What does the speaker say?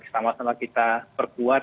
sama sama kita perkuat